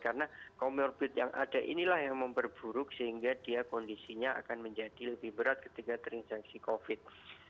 karena comorbid yang ada inilah yang memperburuk sehingga dia kondisinya akan menjadi lebih berat ketika terinjaksi covid